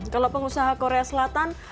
kalau pengusaha korea selatan